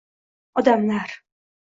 Odamlar!